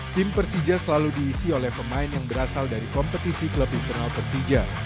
tim persija selalu diisi oleh pemain yang berasal dari kompetisi klub internal persija